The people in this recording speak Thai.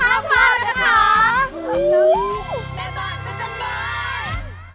แม่บ้านประจันบาน